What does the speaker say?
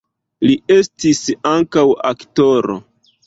Li estis ankaŭ aktoro.